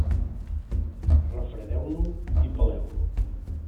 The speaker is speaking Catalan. Refredeu-lo i peleu-lo.